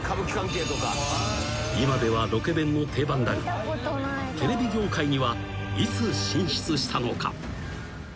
［今ではロケ弁の定番だがテレビ業界にはいつ進出したのか？］